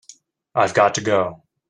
I've got to go.